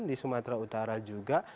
di sumatera utara juga